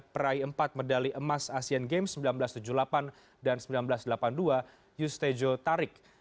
peraih empat medali emas asian games seribu sembilan ratus tujuh puluh delapan dan seribu sembilan ratus delapan puluh dua yustejo tarik